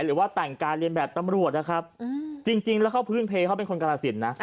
หรือว่าแต่งกายเรียนแบบตำรวจนะครับจริงแล้วเขาพื้นเพลเขาเป็นคนกรสินนะ